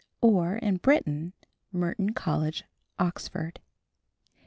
(or, in Britain, Merton College, Oxford).